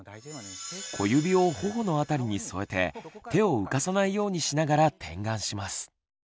小指をほほの辺りに添えて手を浮かさないようにしながら点眼します。